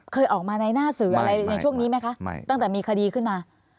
เคยออกมาในหน้าสื่ออะไรในช่วงนี้ไหมคะตั้งแต่มีคดีขึ้นมา